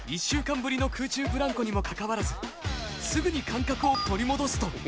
１週間ぶりの空中ブランコにもかかわらずすぐに感覚を取り戻すと。